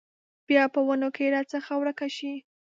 بیا په ونو کې راڅخه ورکه شي